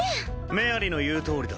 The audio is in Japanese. メアリの言うとおりだ。